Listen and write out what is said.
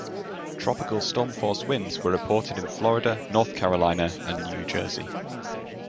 Tropical storm force winds were reported in Florida, North Carolina, and New Jersey.